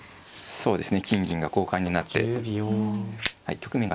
そうですね。